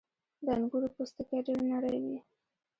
• د انګورو پوستکی ډېر نری وي.